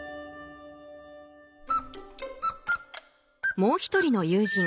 もう一人の友人Ｃ君。